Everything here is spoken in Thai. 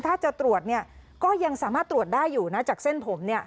ถ้าจะตรวจเนี่ยก็ยังสามารถตรวจได้อยู่นะจากเส้นผมเนี่ย